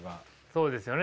そうですよね。